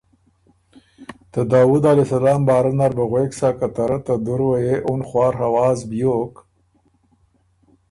ته داؤد علیه السلام باره نر بو غوېک سۀ که ته رۀ ته دُروئ يې اُن خواڒ اواز بيوک